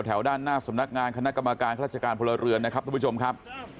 ด้านหน้าสำนักงานคณะกรรมการราชการพลเรือนนะครับทุกผู้ชมครับ